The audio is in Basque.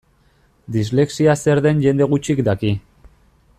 Dislexia zer den jende gutxik daki.